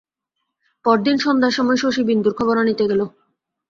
পরদিন সন্ধ্যার সময় শশী বিন্দুর খবর আনিতে গেল।